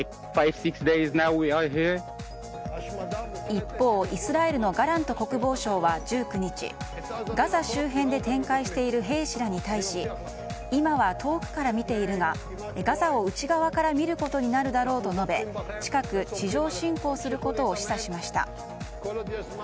一方、イスラエルのガラント国防相は、１９日ガザ周辺で展開している兵士らに対し今は遠くから見ているがガザを内側から見ることになるだろうと述べ近く、地上侵攻することを示唆しました。